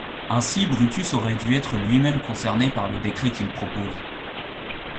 Ainsi Brutus aurait dû être lui-même concerné par le décret qu'il propose.